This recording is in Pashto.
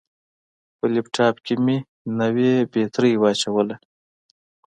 په لپټاپ کې مې نوې بطرۍ واچوله.